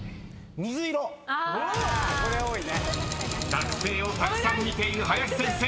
［学生をたくさん見ている林先生］